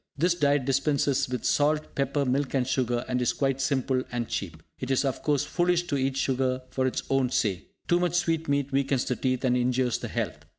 This diet dispenses with salt, pepper, milk and sugar, and is quite simple and cheap. It is, of course, foolish to eat sugar for its own sake. Too much sweetmeat weakens the teeth, and injures the health.